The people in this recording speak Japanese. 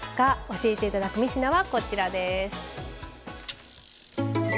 教えていただく３品はこちらです。